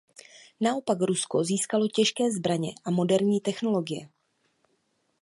Naopak Rusko získalo těžké zbraně a moderní technologie.